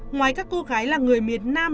ngoài các cô gái là người miền nam